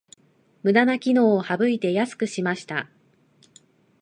ムダな機能を省いて安くしました